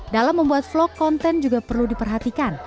dalam membuat vlog konten juga perlu diperhatikan